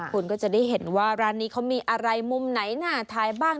คุณก็จะได้เห็นว่าร้านนี้เขามีอะไรมุมไหนน่าทายบ้าง